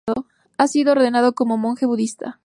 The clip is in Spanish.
Ha sido ordenado como monje budista.